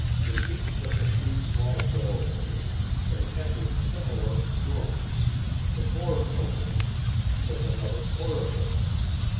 Through each of the three small doorways they entered similar rooms. The fourth opening was another corridor.